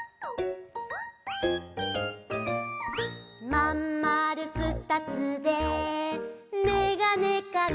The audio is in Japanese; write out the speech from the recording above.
「まんまるふたつでメガネかな」